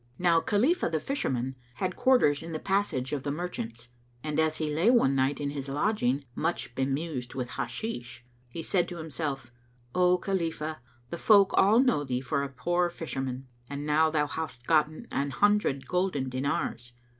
Now Khalifah the Fisherman had quarters in the Passage of the Merchants, [FN#208] and, as he lay one night in his lodging much bemused with Hashish, he said to himself, "O Khalifah, the folk all know thee for a poor fisherman, and now thou hast gotten an hundred golden dinars.